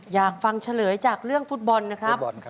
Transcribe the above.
อยากฟังเฉลยจากเรื่องฟุตบอลนะครับ